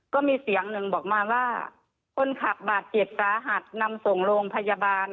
ก็มีเสียงหนึ่งบอกมาว่าคนขับบาดเจ็บสาหัสนำส่งโรงพยาบาล